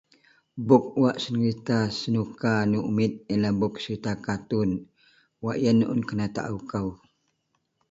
Buk wak senuka-senuka anek umit iyenlah buk serita katun wak iyen un kenataau kou.